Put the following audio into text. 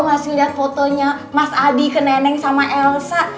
masih lihat fotonya mas adi ke neneng sama elsa